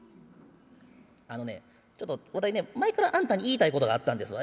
「あのねちょっとわたいね前からあんたに言いたいことがあったんですわ。